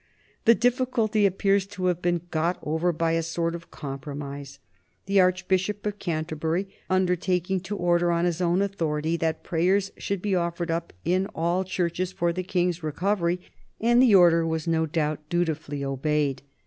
The difficulty appears to have been got over by a sort of compromise, the Archbishop of Canterbury undertaking to order, on his own authority, that prayers should be offered up in all churches for the King's recovery, and the order was no doubt dutifully obeyed.